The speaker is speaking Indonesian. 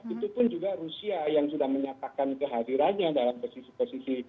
itu pun juga rusia yang sudah menyatakan kehadirannya dalam posisi posisi